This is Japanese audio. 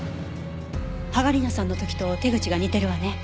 芳賀理菜さんの時と手口が似てるわね。